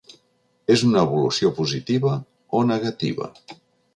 És una evolució positiva o negativa?